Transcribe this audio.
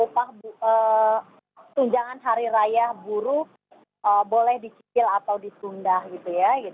tunjangan hari raya buruh boleh dicipil atau disundah gitu ya